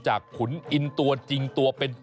ขุนอินตัวจริงตัวเป็น